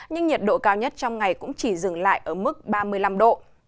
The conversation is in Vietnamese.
nhưng nhiệt độ cao nhất trong ngày cũng chỉ dừng lại ở mức ba mươi năm độ